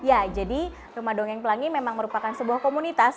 ya jadi rumah dongeng pelangi memang merupakan sebuah komunitas